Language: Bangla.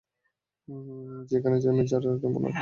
যেইখানেই যাই, মির্জারে নিবো না সাথে।